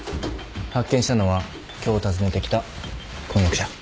発見したのは今日訪ねてきた婚約者。